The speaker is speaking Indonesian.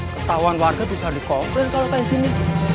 ketahuan warga bisa dikomplain kalau kayak gini